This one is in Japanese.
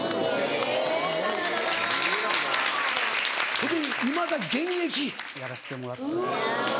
ほんでいまだ現役？やらせてもらってます。